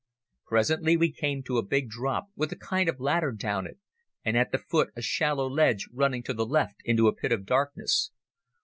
Presently we came to a big drop, with a kind of ladder down it, and at the foot a shallow ledge running to the left into a pit of darkness.